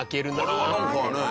あれはなんかね。